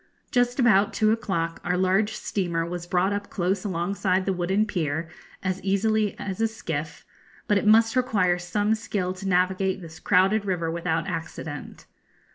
Just about two o'clock our large steamer was brought up close alongside the wooden pier as easily as a skiff, but it must require some skill to navigate this crowded river without accident.